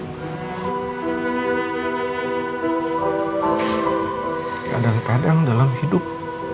kadang kadang dalam hidup